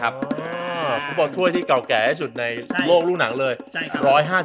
บอสถ้วยที่เก่าแก่ให้สุดในโลกรูปหนังเลย